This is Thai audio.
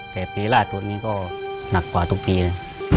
แต่ปีราชตัวนี้ก็หนักกว่าทุกปีนะ